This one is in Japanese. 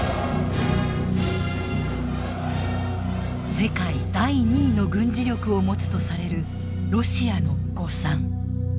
世界第２位の軍事力を持つとされるロシアの誤算。